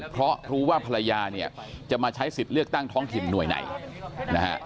เพราะรู้ว่าภรรยาเนี่ยจะมาใช้สิทธิ์เลือกตั้งท้องถิ่นหน่วยไหนนะฮะ